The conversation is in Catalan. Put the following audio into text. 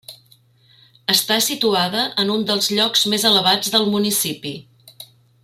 Està situada en un dels llocs més elevats del municipi.